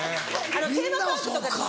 テーマパークとかでも。